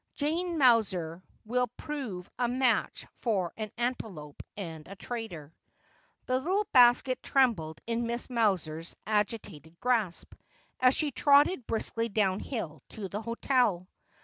J ane Mowser will prove a match for an antelope and a traitor.' The little basket trembled in Mrs. Mowser's agitated grasp, as she trotted briskly downhill to the hotel.